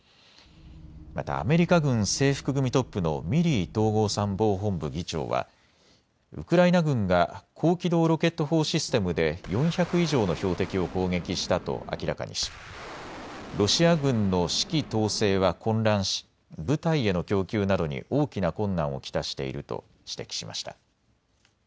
またアメリカ軍制服組トップのミリー統合参謀本部議長はウクライナ軍が高機動ロケット砲システムで４００以上の標的を攻撃したと明らかにし、ロシア軍の指揮統制は混乱し部隊への供給などに大きな困難を来たしていると指摘しました。